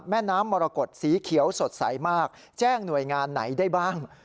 แม่น้ำมรกฏสีเขียวสดใสมากแจ้งหน่วยงานไหนได้บ้าง